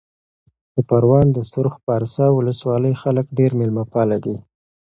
د پروان د سرخ پارسا ولسوالۍ خلک ډېر مېلمه پاله دي.